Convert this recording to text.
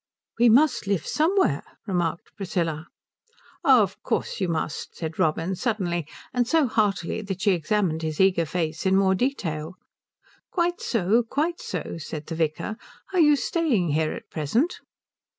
"We must live somewhere," remarked Priscilla. "Of course you must," said Robin, suddenly and so heartily that she examined his eager face in more detail. "Quite so, quite so," said the vicar. "Are you staying here at present?"